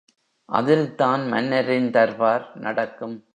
அதில் தான் மன்னரின் தர்பார் நடக்கும்.